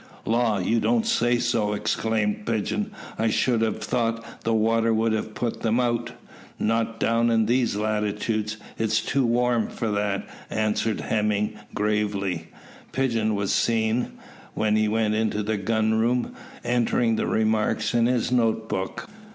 "Law, you don't say so!" exclaimed Pigeon. "I should have thought the water would have put them out." "Not down in these latitudes. It's too warm for that," answered Hemming gravely. Pigeon was seen, when he went into the gun room, entering the remark in his notebook.